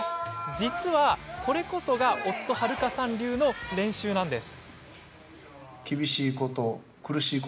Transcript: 実はこれこそが夫・悠さん流の練習なんです。